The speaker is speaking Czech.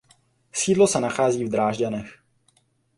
Sídlo se nachází v Drážďanech.